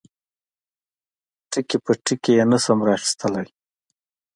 ټکي په ټکي یې نشم را اخیستلای.